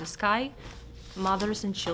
dengan ibu dan anak anak